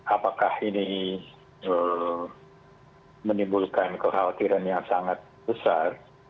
apakah ini menimbulkan kekhawatiran yang sangat besar